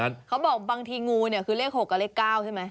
อย่างที่เค้าบอกบางทีงูเนี่ยคือเลข๖กับเลข๙ใช่มั้ย